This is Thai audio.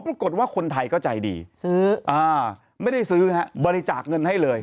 ปรากฏว่าคนไทยก็ใจดีซื้อไม่ได้ซื้อฮะบริจาคเงินให้เลย